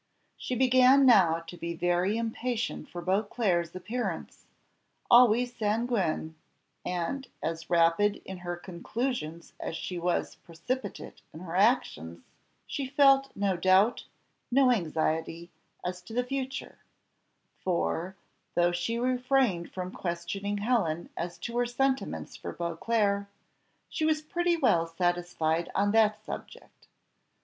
She began now to be very impatient for Beauclerc's appearance; always sanguine, and as rapid in her conclusions as she was precipitate in her actions, she felt no doubt, no anxiety, as to the future; for, though she refrained from questioning Helen as to her sentiments for Beauclerc, she was pretty well satisfied on that subject.